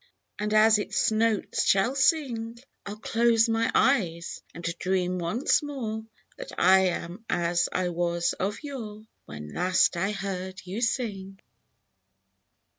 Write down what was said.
And as its notes shall ring, V\l close my eyes and dream once more That I am as I was of yore When last I heard you sing